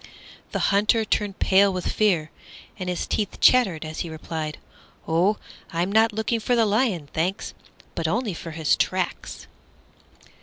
The Hunter turned pale with fear, and his teeth chattered as he replied, "Oh, I'm not looking for the lion, thanks, but only for his tracks."